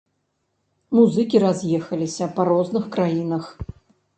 Музыкі раз'ехаліся па розных краінах.